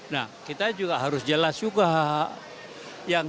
nah kita juga harus jelas juga yang kita harus bela di laut cina selatan itu